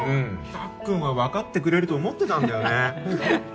たっくんは分かってくれると思ってたんだよね。